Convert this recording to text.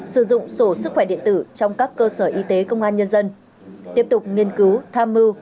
sử dụng sổ sức khỏe điện tử trong các cơ sở y tế công an nhân dân tiếp tục nghiên cứu tham mưu